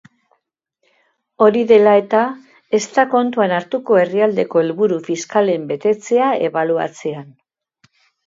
Hori dela eta, ez da kontuan hartuko herrialdeko helburu fiskalen betetzea ebaluatzean.